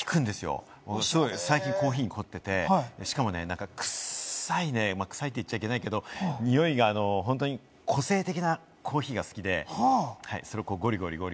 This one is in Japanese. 最近、コーヒーに凝っていて、しかも臭いって言っちゃいけないけど、においが個性的なコーヒーが好きで、ゴリゴリ。